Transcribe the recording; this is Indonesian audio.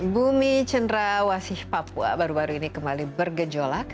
bumi cenderawasih papua baru baru ini kembali bergejolak